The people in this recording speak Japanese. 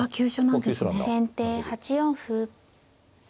先手８四歩。